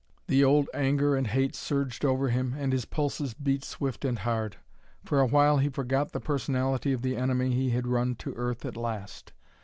The old anger and hate surged over him, and his pulses beat swift and hard. For a while he forgot the personality of the enemy he had run to earth at last.